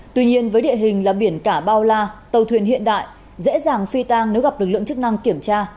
tuy nhiên với địa hình là biển cả bao la tàu thuyền hiện đại dễ dàng phi tang nếu gặp lực lượng chức năng kiểm tra